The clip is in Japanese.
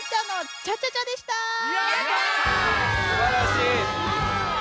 すばらしい。